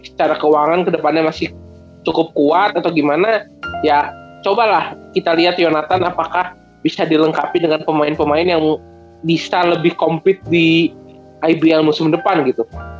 secara keuangan kedepannya masih cukup kuat atau gimana ya cobalah kita lihat yonatan apakah bisa dilengkapi dengan pemain pemain yang bisa lebih komplit di ibriel musim depan gitu